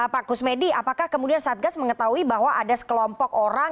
pak kusmedi apakah kemudian satgas mengetahui bahwa ada sekelompok orang